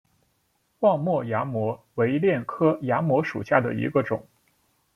望谟崖摩为楝科崖摩属下的一个种。